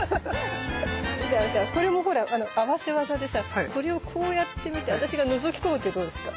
じゃあじゃあこれもほら合わせ技でさこれをこうやってみて私がのぞき込むってどうですか？